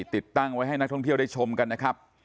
ติดตั้งไว้ให้นักท่องเที่ยวได้ชมกันนะครับ